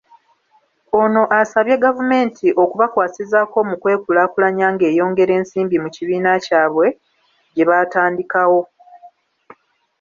Ono asabye gavumenti okubakwasizaako mu kwekulaakulanya ng’eyongera ensimbi mu kibiina kyabwe gye baatandikawo.